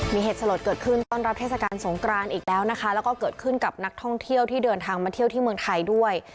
มีเหตุสลดเกิดขึ้นต้อนรับเทศกาลสงกรานอีกแล้วนะคะแล้วก็เกิดขึ้นกับนักท่องเที่ยวที่เดินทางมาเที่ยวที่เมืองไทยด้วย